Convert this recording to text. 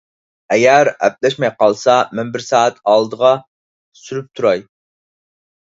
ئەگەر ئەپلەشمەي قالسا، مەن بىر سائەت ئالدىغا سۈرۈپ تۇراي.